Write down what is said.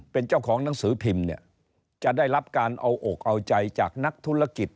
เป็นเจ้าของหนังสือพิมพ์เนี่ยจะได้รับการเอาอกเอาใจจากนักธุรกิจ